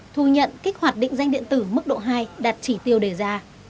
thu nhận kích hoạt định danh điện tử mức độ hai đạt chỉ tiêu đề ra